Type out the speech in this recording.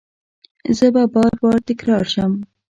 زه به بار، بار تکرار شم